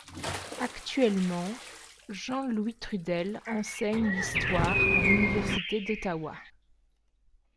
Actuellement, Jean-Louis Trudel enseigne l’histoire à l’Université d’Ottawa.